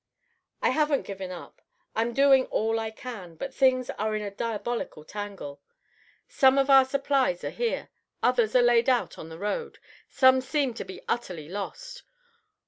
"I haven't given up; I am doing all I can, but things are in a diabolical tangle. Some of our supplies are here; others are laid out on the road; some seem to be utterly lost.